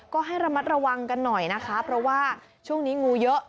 ก็ให้ระมัดระวังกันหน่อยนะคะเพราะว่าช่วงนี้งูเยอะ